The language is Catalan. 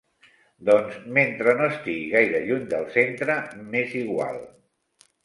Doncs mentre no estigui gaire lluny del centre, m'és igual.